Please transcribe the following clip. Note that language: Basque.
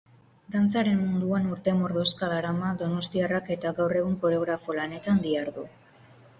Dantzaren munduan urte mordoska darama donostiarrak eta gaur egun koreografo lanetan dihardu.